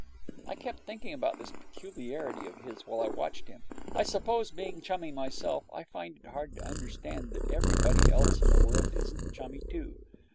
I kept thinking about this peculiarity of his while I watched him. I suppose, being chummy myself, I find it hard to understand that everybody else in the world isn't chummy too.